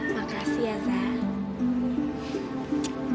makasih ya zak